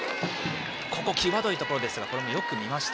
際どいところもよく見ました。